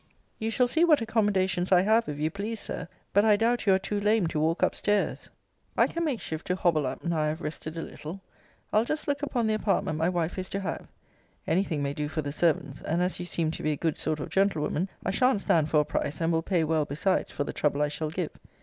You shall see what accommodations I have, if you please, Sir. But I doubt you are too lame to walk up stairs. I can make shift to hobble up now I have rested a little. I'll just look upon the apartment my wife is to have. Any thing may do for the servants: and as you seem to be a good sort of gentlewoman, I shan't stand for a price, and will pay well besides for the trouble I shall give.